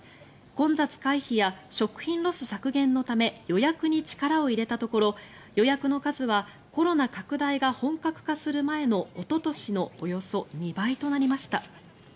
混雑回避や食品ロス削減のため予約に力を入れたところ予約の数はコロナ拡大が本格化する前のおととしのおよそ２倍となりました。